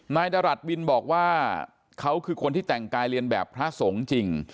นายดรัฐวินบอกว่าเขาคือคนที่แต่งกายเรียนแบบพระสงฆ์จริง